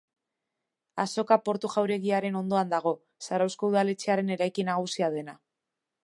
Azoka Portu jauregiaren ondoan dago, Zarauzko udaletxearen eraikin nagusia dena.